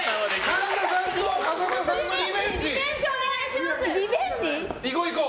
神田さんと風間さんのリベンジ！